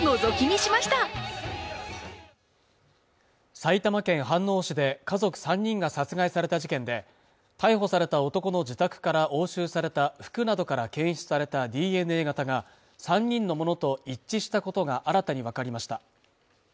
埼玉県飯能市で家族３人が殺害された事件で逮捕された男の自宅から押収された服などから検出されたＤＮＡ型が３人のものと一致したことが新たに分かりました